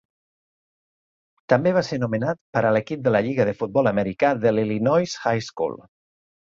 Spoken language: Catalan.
També va ser nomenat per a l'equip de la lliga de futbol americà de l'Illinois High School.